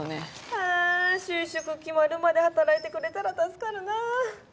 ああ就職決まるまで働いてくれたら助かるなあ。